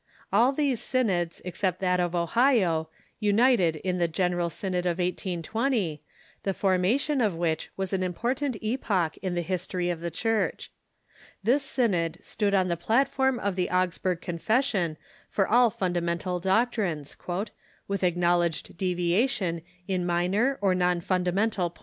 All these synods, except that of Ohio, united in the General Synod of 1820, the formation of which was a most important epoch in the history of the Church. This synod stood on the plat form of the Augsburg Confession for all fundamental doc trines, " with acknowledged deviation in minor or non funda mental points."